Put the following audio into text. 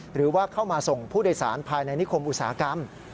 หรือว่าเข้ามาส่งผู้โดยสารภายในนิคมอุตสาหกรรม